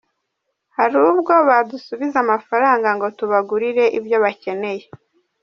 Hari ubwo badusubiza amafaranga ngo tubagurire ibyo bakeneye.